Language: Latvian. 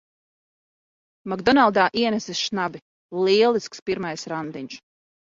"Makdonaldā" ienesis šnabi! Lielisks pirmais randiņš.